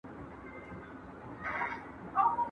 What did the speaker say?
موږ باید د خپلو ماشومانو د زده کړې لپاره هڅې وکړو.